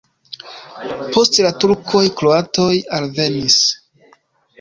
Post la turkoj kroatoj alvenis.